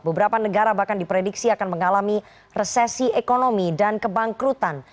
beberapa negara bahkan diprediksi akan mengalami resesi ekonomi dan kebangkrutan